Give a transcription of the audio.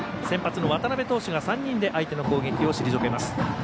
先発の渡邊投手が３人で相手の攻撃を退けます。